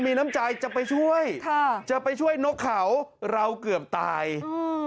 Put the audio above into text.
มีน้ำใจจะไปช่วยค่ะจะไปช่วยนกเขาเราเกือบตายอืม